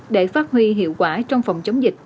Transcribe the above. để phát huy hiệu quả trong phòng chống dịch